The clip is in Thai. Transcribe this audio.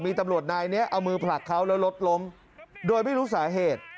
มีตำรวจนายนี้เอามือผลักเขาแล้วรถล้มโดยไม่รู้สาเหตุ